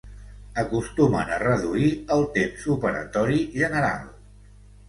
Acostumen a reduir el temps operatori general.